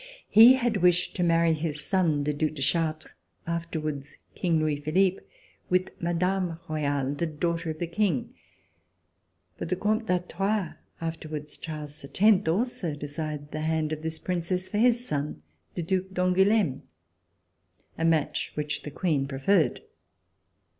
He had wished to marry his son, the Due de Chartres, afterwards King Louis RECOLLECTIONS OF THE REVOLUTION Philippe, with Madame Royale, the daughter of the King. But the Comte d'Artois, afterwards Charles X, also desired the hand of this Princess for his son, the Due d'Angouleme, a match which the Queen pre ferred.